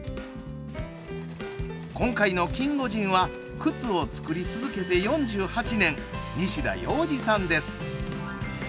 今回のキンゴジンは靴を作り続けて４８年西田葉二さんです。